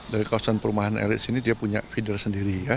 dari kawasan perumahan rs ini dia punya feeder sendiri ya